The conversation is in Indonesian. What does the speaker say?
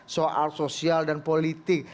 soal sosial dan politik